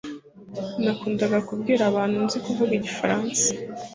Nakundaga kubwira abantu nzi kuvuga igifaransa